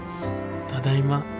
ただいま。